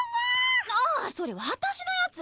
あっそれ私のやつ！